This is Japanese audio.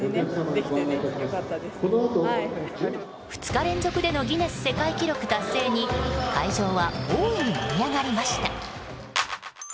２日連続でのギネス世界記録達成に会場は大いに盛り上がりました。